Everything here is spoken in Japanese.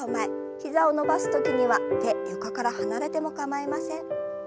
膝を伸ばす時には手床から離れても構いません。